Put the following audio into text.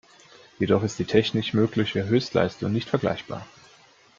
Jedoch ist die technisch mögliche Höchstleistung nicht vergleichbar.